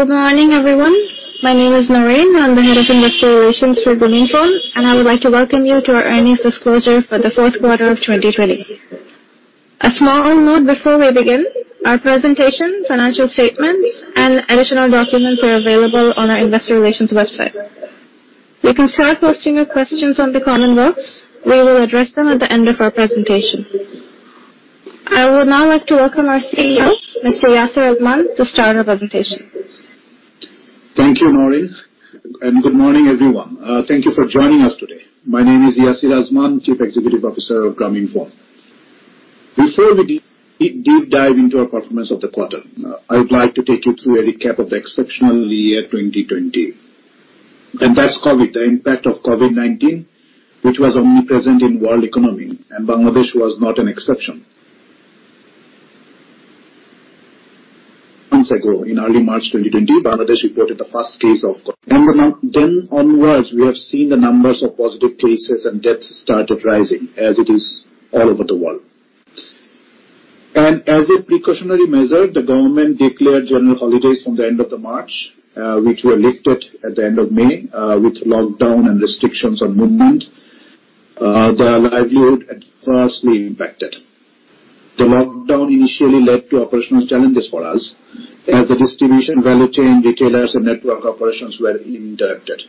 Good morning, everyone. My name is Naureen. I am the Head of Investor Relations for Grameenphone. I would like to welcome you to our earnings disclosure for the fourth quarter of 2020. A small note before we begin, our presentation, financial statements, and additional documents are available on our investor relations website. You can start posting your questions on the Q&A box. We will address them at the end of our presentation. I would now like to welcome our CEO, Mr. Yasir Azman, to start our presentation. Thank you, Naureen. Good morning, everyone. Thank you for joining us today. My name is Yasir Azman, Chief Executive Officer of Grameenphone. Before we deep dive into our performance of the quarter, I would like to take you through a recap of the exceptional year 2020. That's COVID, the impact of COVID-19, which was omnipresent in world economy, and Bangladesh was not an exception. Months ago, in early March 2020, Bangladesh reported the first case of COVID. Then onwards, we have seen the numbers of positive cases and deaths started rising as it is all over the world. As a precautionary measure, the government declared general holidays from the end of the March, which were lifted at the end of May, with lockdown and restrictions on movement. The livelihood adversely impacted. The lockdown initially led to operational challenges for us as the distribution, value chain retailers, and network operations were interrupted.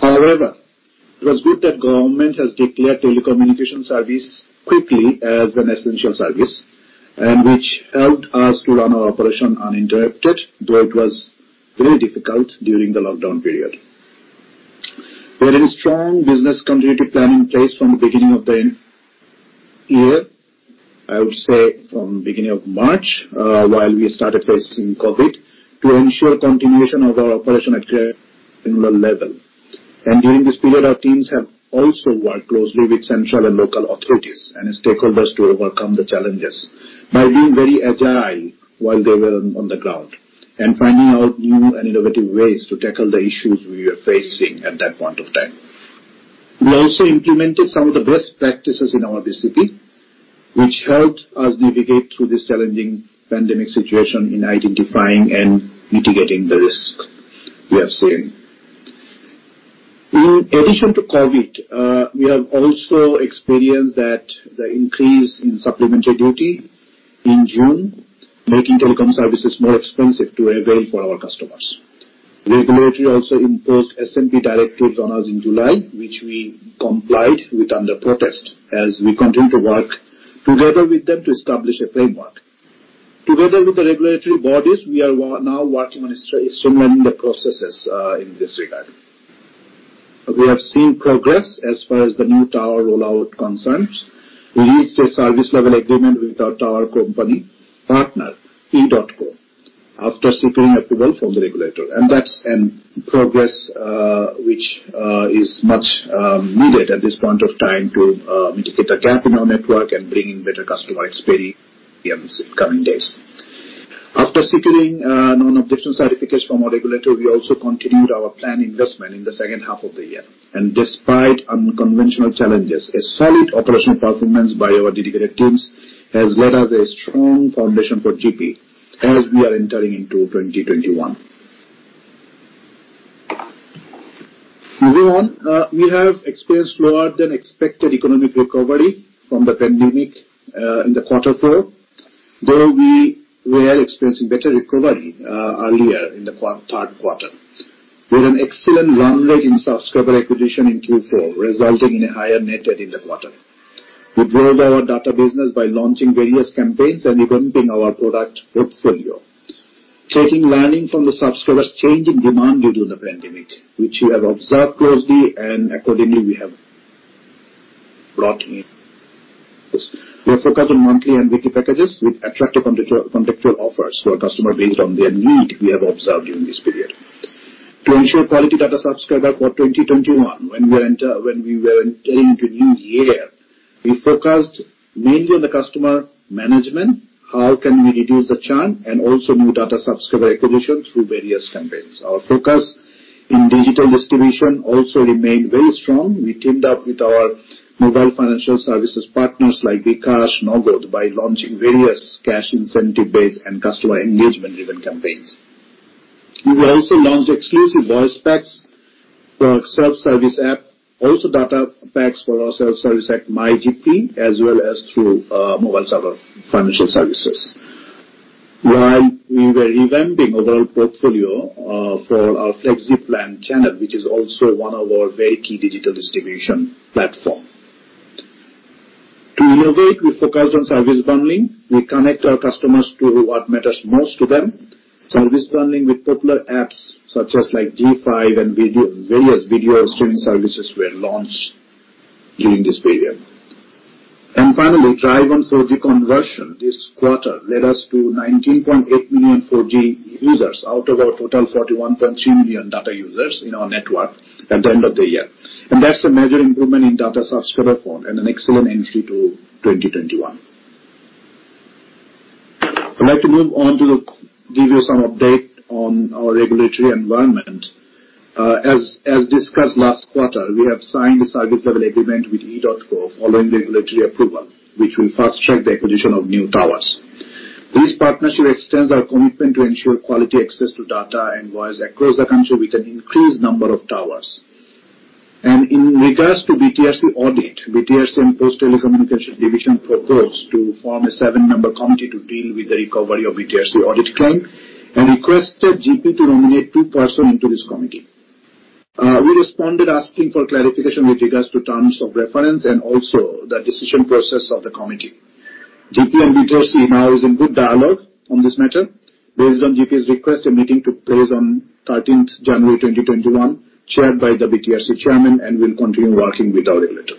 It was good that Government has declared telecommunication service quickly as an essential service, which helped us to run our operation uninterrupted, though it was very difficult during the lockdown period. We had a strong business continuity plan in place from the beginning of the year, I would say from beginning of March, while we started facing COVID, to ensure continuation of our operation at a similar level. During this period, our teams have also worked closely with central and local authorities and stakeholders to overcome the challenges by being very agile while they were on the ground and finding out new and innovative ways to tackle the issues we were facing at that point of time. We also implemented some of the best practices in our BCP, which helped us navigate through this challenging pandemic situation in identifying and mitigating the risks we have seen. In addition to COVID, we have also experienced that the increase in supplementary duty in June, making telecom services more expensive to avail for our customers. Regulatory also imposed SMP directives on us in July, which we complied with under protest as we continue to work together with them to establish a framework. Together with the regulatory bodies, we are now working on streamlining the processes, in this regard. We have seen progress as far as the new tower rollout concerns. We reached a service level agreement with our tower company partner, edotco, after securing approval from the regulator. That's progress which is much needed at this point of time to mitigate the gap in our network and bring in better customer experience in the coming days. After securing a non-objection certificate from our regulator, we also continued our planned investment in the second half of the year. Despite unconventional challenges, a solid operational performance by our dedicated teams has led us a strong foundation for GP as we are entering into 2021. Moving on, we have experienced slower than expected economic recovery from the pandemic, in the quarter four, though we were experiencing better recovery earlier in the third quarter. With an excellent run rate in subscriber acquisition in Q4, resulting in a higher net add in the quarter. We drove our data business by launching various campaigns and revamping our product portfolio, taking learning from the subscribers' changing demand due to the pandemic, which we have observed closely and accordingly we have brought in this. We are focused on monthly and weekly packages with attractive contextual offers for our customer based on their need we have observed during this period. To ensure quality data subscriber for 2021 when we were entering into new year, we focused mainly on the customer management, how can we reduce the churn, and also new data subscriber acquisition through various campaigns. Our focus in digital distribution also remained very strong. We teamed up with our mobile financial services partners like bKash, Nagad, by launching various cash incentive-based and customer engagement-driven campaigns. We also launched exclusive voice packs for our self-service app, also data packs for our self-service at MyGP, as well as through mobile service financial services, while we were revamping overall portfolio for our FlexiPlan channel, which is also one of our very key digital distribution platform. To innovate, we focused on service bundling. We connect our customers to what matters most to them. Service bundling with popular apps such as like ZEE5 and various video streaming services were launched during this period. Finally, drive on 4G conversion this quarter led us to 19.8 million 4G users out of our total 41.3 million data users in our network at the end of the year. That's a major improvement in data subscriber phone and an excellent entry to 2021. I'd like to move on to give you some update on our regulatory environment. As discussed last quarter, we have signed a service level agreement with edotco following regulatory approval, which will fast-track the acquisition of new towers. This partnership extends our commitment to ensure quality access to data and voice across the country with an increased number of towers. In regards to BTRC audit, BTRC and Posts and Telecommunications Division proposed to form a seven-member committee to deal with the recovery of BTRC audit claim and requested GP to nominate two person into this committee. We responded asking for clarification with regards to terms of reference and also the decision process of the committee. GP and BTRC now is in good dialogue on this matter. Based on GP's request, a meeting took place on 13th January 2021, chaired by the BTRC Chairman, and we'll continue working with our regulator.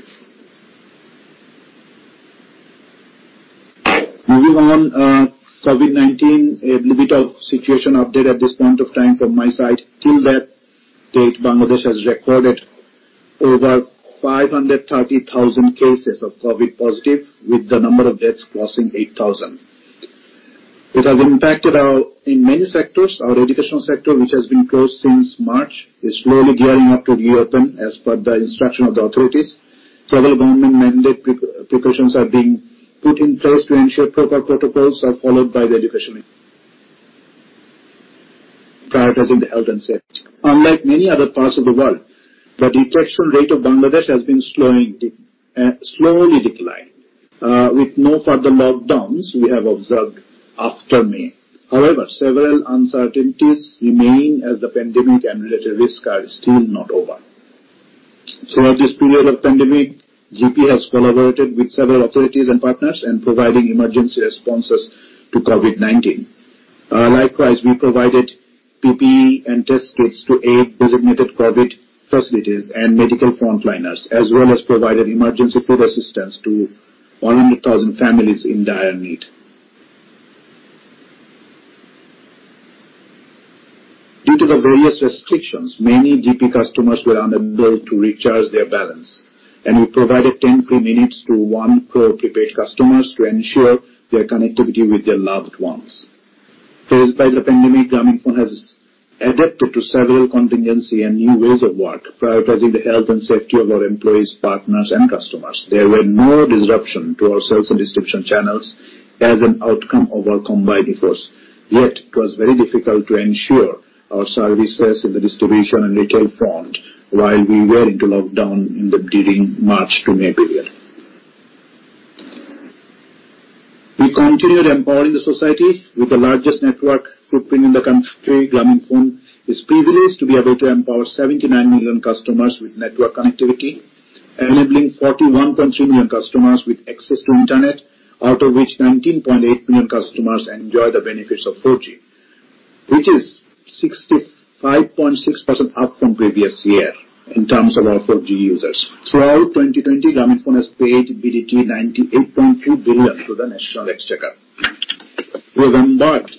Moving on, COVID-19, a little bit of situation update at this point of time from my side. Till that date, Bangladesh has recorded over 530,000 cases of COVID-positive with the number of deaths crossing 8,000. It has impacted in many sectors. Our educational sector, which has been closed since March, is slowly gearing up to reopen as per the instruction of the authorities. Several government mandate precautions are being put in place to ensure proper protocols are followed by the education prioritizing the health and safety. Unlike many other parts of the world, the detection rate of Bangladesh has been slowly declined. With no further lockdowns, we have observed after May. Several uncertainties remain as the pandemic and related risks are still not over. Throughout this period of pandemic, GP has collaborated with several authorities and partners in providing emergency responses to COVID-19. Likewise, we provided PPE and test kits to aid designated COVID facilities and medical frontliners, as well as provided emergency food assistance to 100,000 families in dire need. Due to the various restrictions, many GP customers were unable to recharge their balance, and we provided 10 free minutes to 1 crore prepaid customers to ensure their connectivity with their loved ones. Faced by the pandemic, Grameenphone has adapted to several contingency and new ways of work, prioritizing the health and safety of our employees, partners, and customers. There were no disruption to our sales and distribution channels as an outcome of our combined efforts. It was very difficult to ensure our services in the distribution and retail front while we were into lockdown during March to May period. We continued empowering the society with the largest network footprint in the country. Grameenphone is privileged to be able to empower 79 million customers with network connectivity, enabling 41.3 million customers with access to internet, out of which 19.8 million customers enjoy the benefits of 4G, which is 65.6% up from previous year in terms of our 4G users. Throughout 2020, Grameenphone has paid BDT 98.3 billion to the national exchequer. We've embarked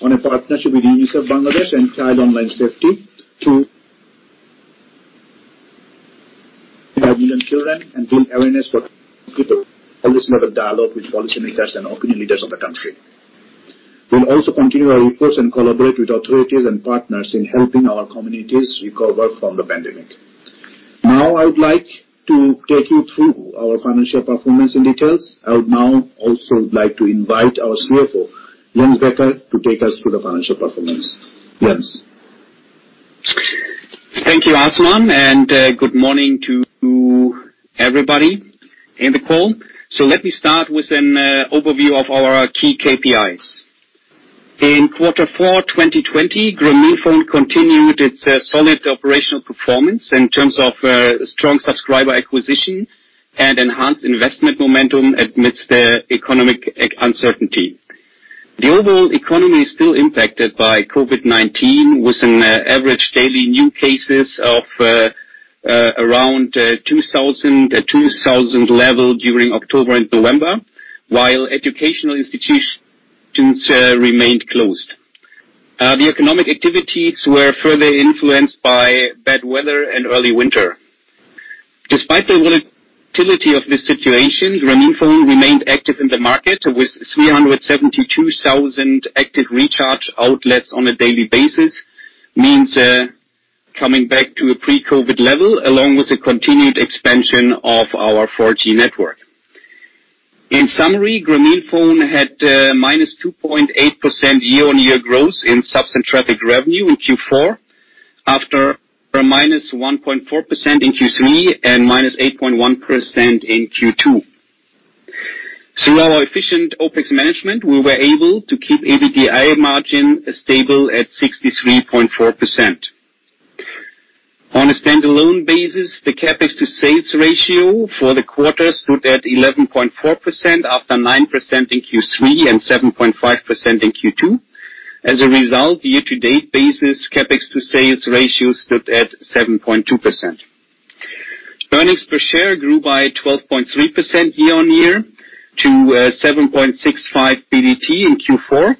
on a partnership with UNICEF Bangladesh and Child Online Safety to five million children and build awareness for policy maker dialogue with policy makers and opinion leaders of the country. We'll also continue our efforts and collaborate with authorities and partners in helping our communities recover from the pandemic. Now, I would like to take you through our financial performance in details. I would now also like to invite our CFO, Jens Becker, to take us through the financial performance. Jens. Thank you, Azman, and good morning to everybody in the call. Let me start with an overview of our key KPIs. In quarter four 2020, Grameenphone continued its solid operational performance in terms of strong subscriber acquisition and enhanced investment momentum amidst the economic uncertainty. The overall economy is still impacted by COVID-19, with an average daily new cases of around 2,000 level during October and November, while educational institutions remained closed. The economic activities were further influenced by bad weather and early winter. Despite the volatility of this situation, Grameenphone remained active in the market with 372,000 active recharge outlets on a daily basis, means coming back to a pre-COVID level, along with the continued expansion of our 4G network. In summary, Grameenphone had a -2.8% year-on-year growth in subs and traffic revenue in Q4, after a -1.4% in Q3 and -8.1% in Q2. Through our efficient OpEx management, we were able to keep EBITDA margin stable at 63.4%. On a standalone basis, the CapEx to sales ratio for the quarter stood at 11.4% after 9% in Q3 and 7.5% in Q2. As a result, year-to-date basis, CapEx to sales ratio stood at 7.2%. Earnings per share grew by 12.3% year-on-year to BDT 7.65 in Q4,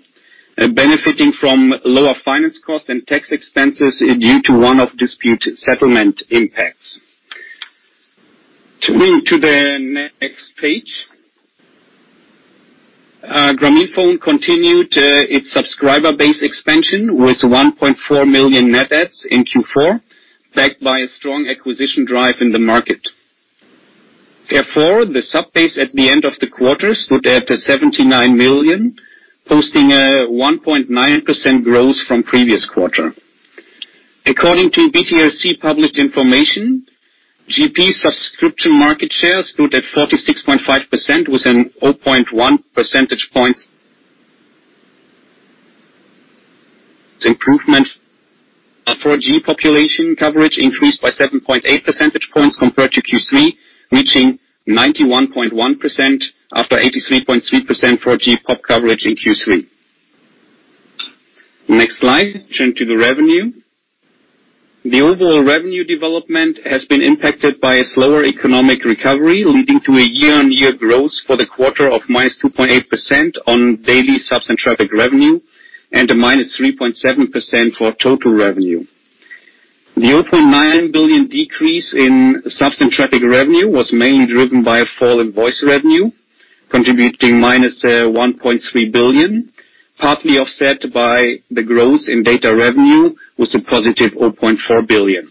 benefiting from lower finance cost and tax expenses due to one-off dispute settlement impacts. Moving to the next page, Grameenphone continued its subscriber base expansion with 1.4 million net adds in Q4, backed by a strong acquisition drive in the market. The sub-base at the end of the quarter stood at 79 million, posting a 1.9% growth from previous quarter. According to BTRC published information, GP subscription market share stood at 46.5%, with an 0.1 percentage points improvement. Our 4G population coverage increased by 7.8 percentage points compared to Q3, reaching 91.1% after 83.3% 4G pop coverage in Q3. Next slide. Turning to the revenue. The overall revenue development has been impacted by a slower economic recovery, leading to a year-on-year growth for the quarter of -2.8% on daily subs and traffic revenue, and a -3.7% for total revenue. The BDT 0.9 billion decrease in subs and traffic revenue was mainly driven by a fall in voice revenue, contributing BDT -1.3 billion, partly offset by the growth in data revenue, with a BDT +0.4 billion.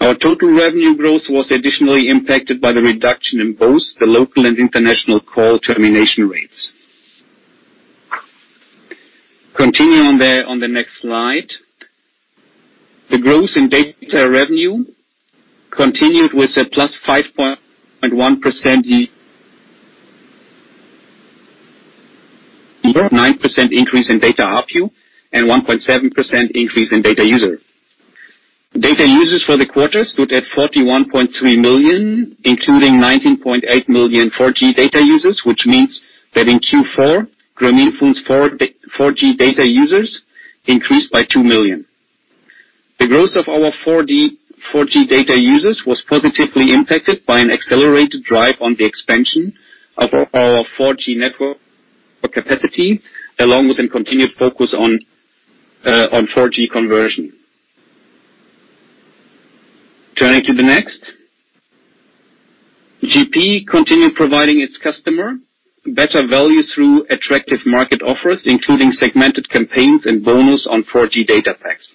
Our total revenue growth was additionally impacted by the reduction in both the local and international call termination rates. Continuing on the next slide. The growth in data revenue continued with a +5.1%, 9% increase in data ARPU and 1.7% increase in data user. Data users for the quarter stood at 41.3 million, including 19.8 million 4G data users, which means that in Q4, Grameenphone's 4G data users increased by two million. The growth of our 4G data users was positively impacted by an accelerated drive on the expansion of our 4G network capacity, along with a continued focus on 4G conversion. Turning to the next. GP continued providing its customer better value through attractive market offers, including segmented campaigns and bonus on 4G data packs.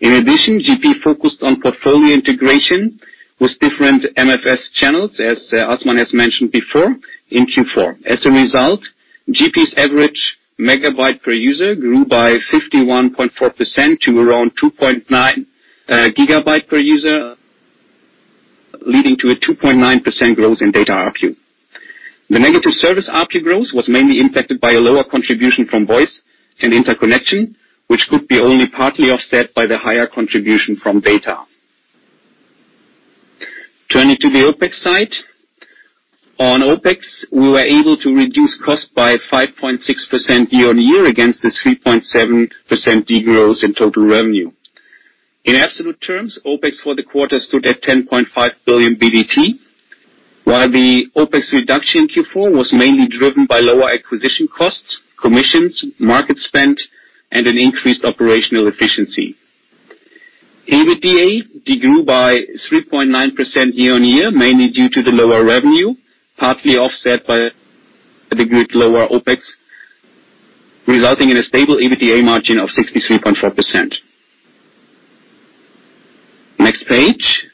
In addition, GP focused on portfolio integration with different MFS channels, as Azman has mentioned before in Q4. As a result, GP's average megabyte per user grew by 51.4% to around 2.9 GB per user, leading to a 2.9% growth in data ARPU. The negative service ARPU growth was mainly impacted by a lower contribution from voice and interconnection, which could be only partly offset by the higher contribution from data. Turning to the OpEx side. On OpEx, we were able to reduce costs by 5.6% year-on-year against this 3.7% decrease in total revenue. In absolute terms, OpEx for the quarter stood at BDT 10.5 billion, while the OpEx reduction in Q4 was mainly driven by lower acquisition costs, commissions, market spend, and an increased operational efficiency. EBITDA decreased by 3.9% year-on-year, mainly due to the lower revenue, partly offset by the lower OpEx, resulting in a stable EBITDA margin of 63.4%. Next page.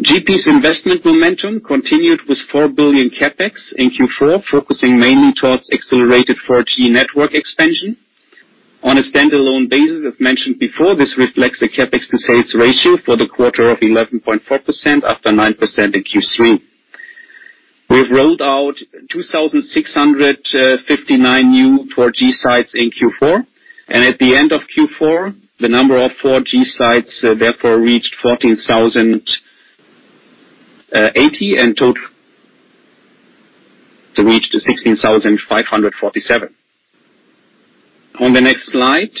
GP's investment momentum continued with BDT 4 billion CapEx in Q4, focusing mainly towards accelerated 4G network expansion. On a standalone basis, as mentioned before, this reflects the CapEx to sales ratio for the quarter of 11.4% after 9% in Q3. We've rolled out 2,659 new 4G sites in Q4, and at the end of Q4, the number of 4G sites therefore reached 14,080 and total reached to 16,547. On the next slide,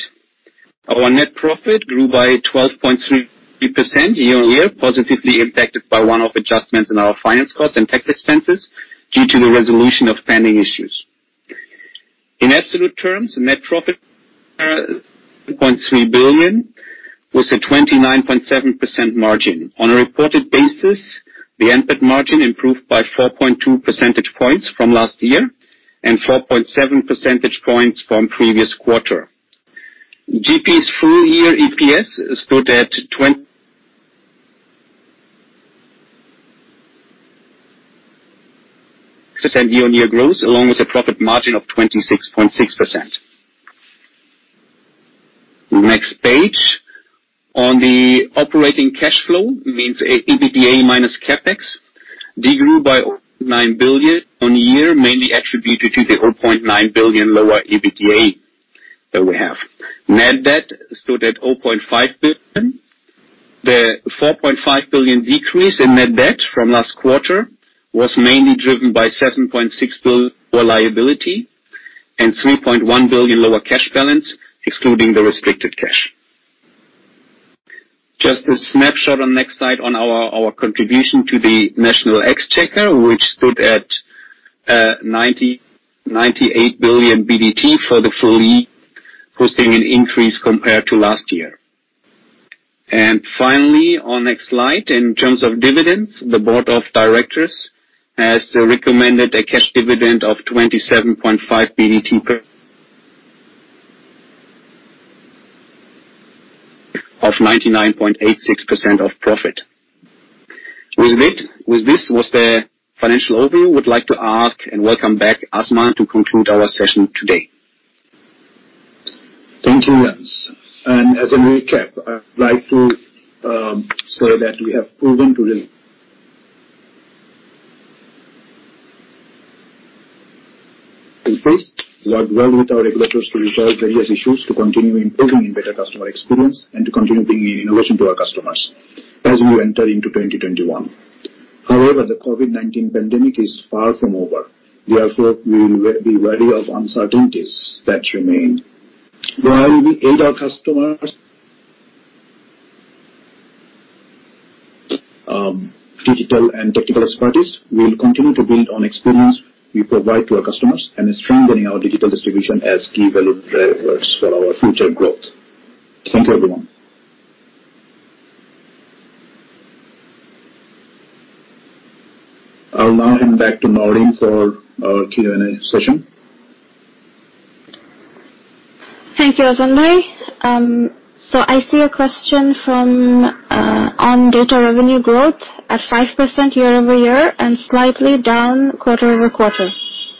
our net profit grew by 12.3% year-on-year, positively impacted by one-off adjustments in our finance costs and tax expenses due to the resolution of pending issues. In absolute terms, net profit BDT 2.3 billion, was a 29.7% margin. On a reported basis, the NPAT margin improved by 4.2 percentage points from last year and 4.7 percentage points from previous quarter. GP's full year EPS stood at 20% year-on-year growth along with a profit margin of 26.6%. Next page. On the operating cash flow, means EBITDA minus CapEx, decreased by BDT 9 billion on the year, mainly attributed to the BDT 0.9 billion lower EBITDA that we have. Net debt stood at BDT 0.5 billion. The BDT 4.5 billion decrease in net debt from last quarter was mainly driven by BDT 7.6 billion liability and BDT 3.1 billion lower cash balance excluding the restricted cash. Just a snapshot on next slide on our contribution to the national exchequer, which stood at BDT 98 billion for the full year, posting an increase compared to last year. Finally, on next slide, in terms of dividends, the board of directors has recommended a cash dividend of BDT 27.5 per of 99.86% of profit. With this was the financial overview. Would like to ask and welcome back Azman to conclude our session today. Thank you, Jens. As a recap, I would like to say that we have proven to work well with our regulators to resolve various issues, to continue improving better customer experience, and to continue bringing innovation to our customers as we enter into 2021. The COVID-19 pandemic is far from over. We will be wary of uncertainties that remain. While we aid our customers, digital and technical expertise, we'll continue to build on experience we provide to our customers and strengthening our digital distribution as key value drivers for our future growth. Thank you, everyone. I'll now hand back to Naureen for our Q&A session. Thank you, Azman. I see a question on data revenue growth at 5% year-over-year and slightly down quarter-over-quarter.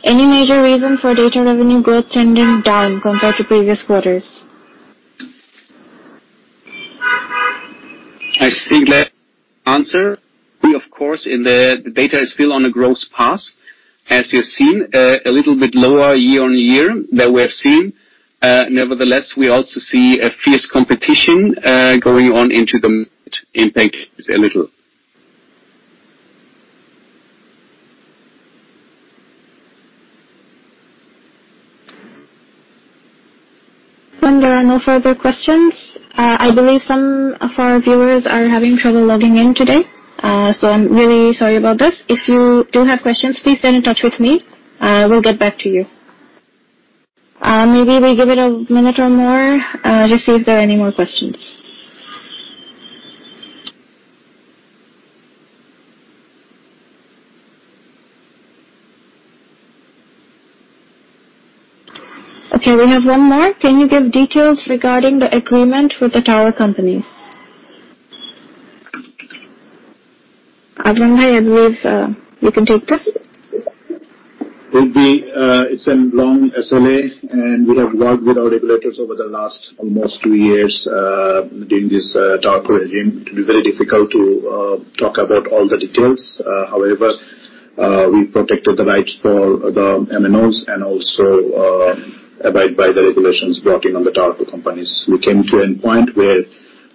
Any major reason for data revenue growth trending down compared to previous quarters? I think that answer, of course, the data is still on a growth path, as you have seen, a little bit lower year-over-year than we have seen. Nevertheless, we also see a fierce competition going on into the a little. There are no further questions. I believe some of our viewers are having trouble logging in today. I'm really sorry about this. If you do have questions, please get in touch with me. We'll get back to you. Maybe we give it a minute or more, just see if there are any more questions. Okay, we have one more. Can you give details regarding the agreement with the tower companies? Azman, I believe you can take this. It's a long SLA, and we have worked with our regulators over the last almost two years during this tower regime. It will be very difficult to talk about all the details. However, we protected the rights for the MNOs and also abide by the regulations brought in on the tower companies. We came to a point where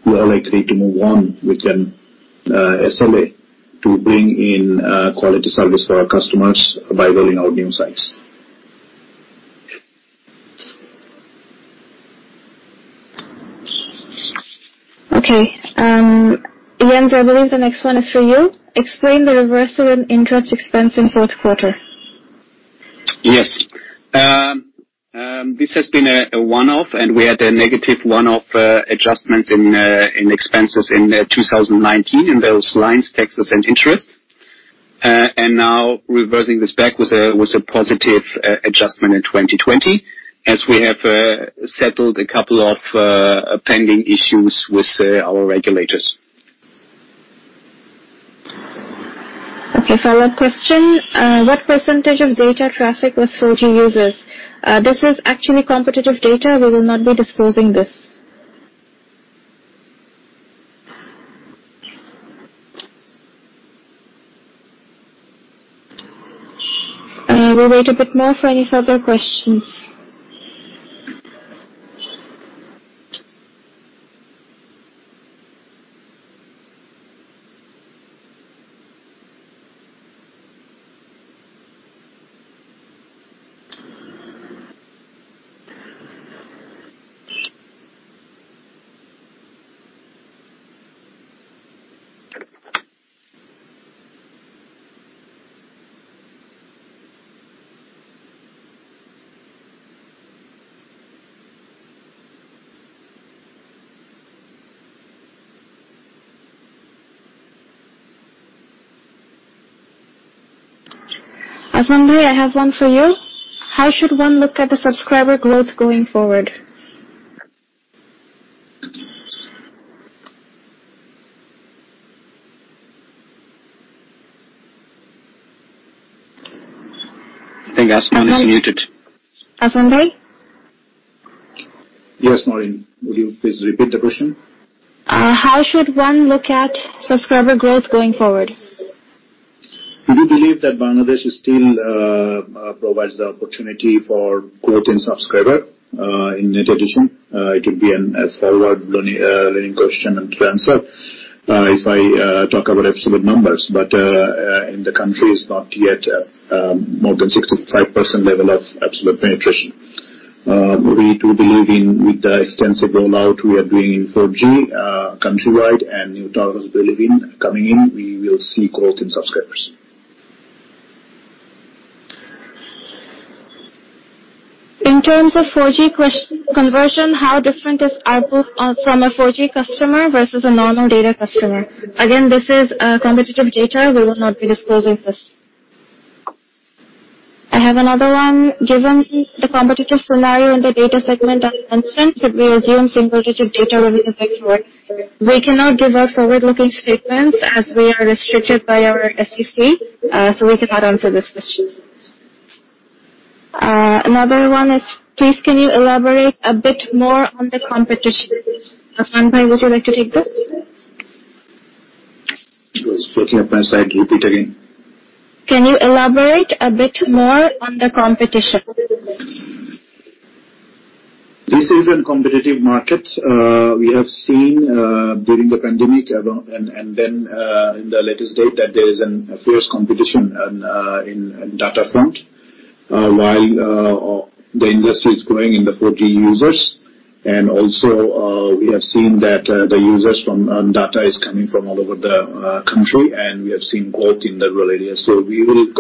we all agreed to move on with an SLA to bring in quality service for our customers by rolling out new sites. Okay. Jens, I believe the next one is for you. Explain the reversal in interest expense in fourth quarter. Yes. This has been a one-off, and we had a negative one-off adjustment in expenses in 2019 in those lines, taxes, and interest. Now reversing this back was a positive adjustment in 2020, as we have settled a couple of pending issues with our regulators. Okay, follow-up question. What percentage of data traffic was 4G users? This is actually competitive data. We will not be disclosing this. We'll wait a bit more for any further questions. Azman, I have one for you. How should one look at the subscriber growth going forward? I think Azman is muted. Azman? Yes, Naureen. Would you please repeat the question? How should one look at subscriber growth going forward? We believe that Bangladesh still provides the opportunity for growth in subscriber in net addition. It would be a forward-leaning question and to answer if I talk about absolute numbers. In the country is not yet more than 65% level of absolute penetration. We do believe with the extensive rollout we are doing in 4G countrywide and new towers coming in, we will see growth in subscribers. In terms of 4G conversion, how different is output from a 4G customer versus a normal data customer? Again, this is competitive data. We will not be disclosing this. I have another one. Given the competitive scenario in the data segment, as mentioned, could we assume competitive data will be the way forward? We cannot give out forward-looking statements as we are restricted by our SEC, so we cannot answer this question. Another one is, please can you elaborate a bit more on the competition? Azman, would you like to take this? It was breaking up my side. Repeat again. Can you elaborate a bit more on the competition? This is a competitive market. We have seen during the pandemic, and then in the latest date, that there is a fierce competition in data front while the industry is growing in the 4G users. Also, we have seen that the users from data is coming from all over the country, and we have seen growth in the rural areas. We will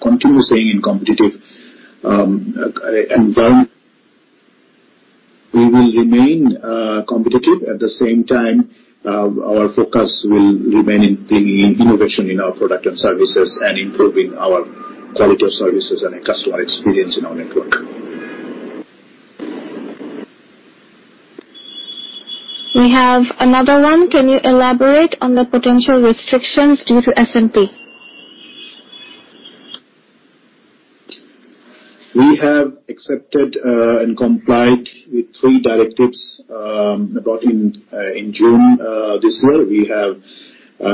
continue staying in competitive environment. We will remain competitive. At the same time, our focus will remain in bringing innovation in our product and services and improving our quality of services and customer experience in our network. We have another one. Can you elaborate on the potential restrictions due to SMP? We have accepted and complied with three directives brought in June this year. We have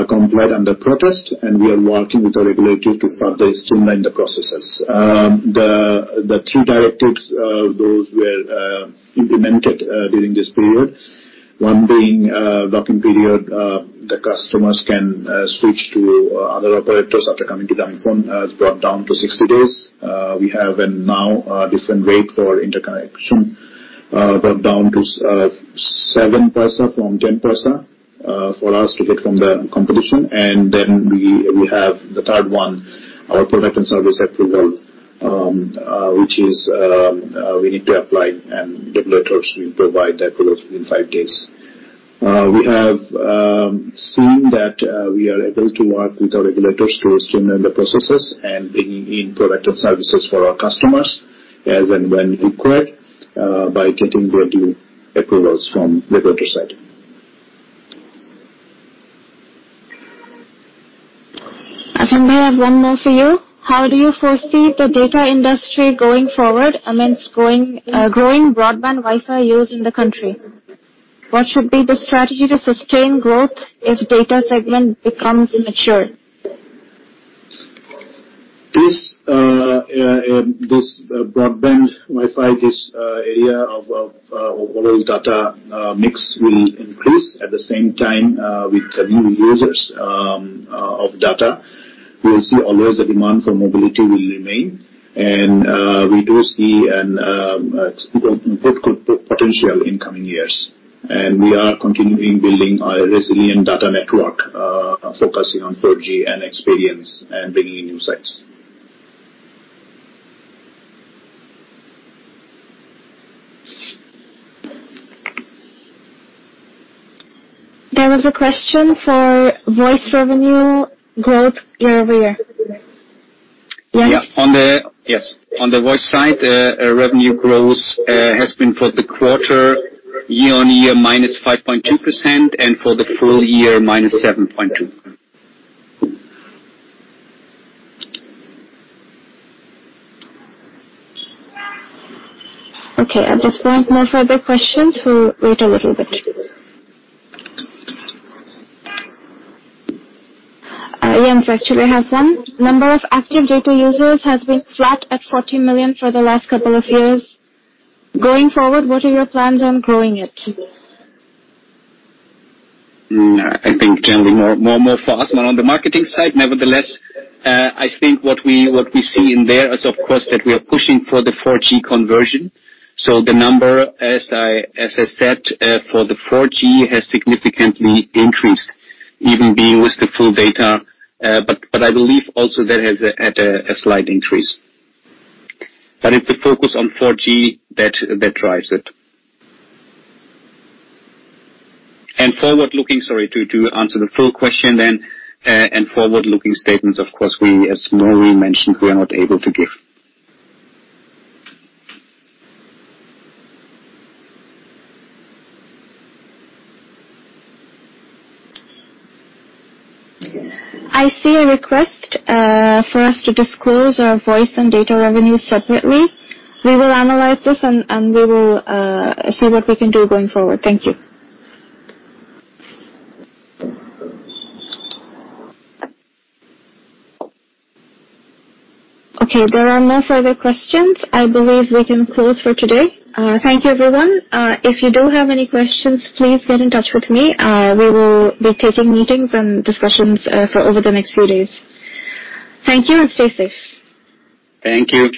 complied under protest, we are working with the regulator to further streamline the processes. The three directives, those were implemented during this period. One being locking period. The customers can switch to other operators after coming to Grameenphone, brought down to 60 days. We have now a different rate for interconnection, brought down to BDT 0.07 from BDT 0.10 for us to get from the competition. Then we have the third one, our product and service approval, which we need to apply, and regulators will provide the approval within five days. We have seen that we are able to work with our regulators to streamline the processes and bringing in product and services for our customers as and when required by getting the due approvals from regulator side. Azman, I have one more for you. How do you foresee the data industry going forward amidst growing broadband Wi-Fi use in the country? What should be the strategy to sustain growth if data segment becomes mature? This broadband Wi-Fi, this area of overall data mix will increase at the same time with the new users of data. We will see always a demand for mobility will remain, and we do see a good potential in coming years. We are continuing building a resilient data network, focusing on 4G and experience and bringing in new sites. There was a question for voice revenue growth year-over-year. Jens? Yes. On the voice side, revenue growth has been for the quarter year-on-year -5.2%, and for the full year, -7.2%. Okay. At this point, no further questions. We'll wait a little bit. Jens actually has one. Number of active data users has been flat at 40 million for the last couple of years. Going forward, what are your plans on growing it? I think generally more for Azman on the marketing side. Nevertheless, I think what we see in there is, of course, that we are pushing for the 4G conversion. The number, as I said, for the 4G has significantly increased, even being with the full data. I believe also that has had a slight increase. It's a focus on 4G that drives it. Sorry to answer the full question then. Forward-looking statements, of course, as Naureen mentioned, we are not able to give. I see a request for us to disclose our voice and data revenue separately. We will analyze this, and we will see what we can do going forward. Thank you. Okay, there are no further questions. I believe we can close for today. Thank you, everyone. If you do have any questions, please get in touch with me. We will be taking meetings and discussions over the next few days. Thank you, and stay safe. Thank you.